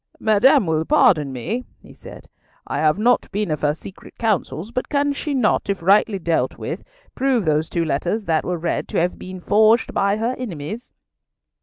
"Madame will pardon me," he said; "I have not been of her secret councils, but can she not, if rightly dealt with, prove those two letters that were read to have been forged by her enemies?"